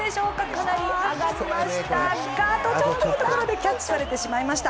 かなり上がりましたがあとちょっとのところでキャッチされてしまいました。